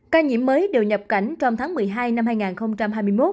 ca nhiễm mới đều nhập cảnh trong tháng một mươi hai năm hai nghìn hai mươi một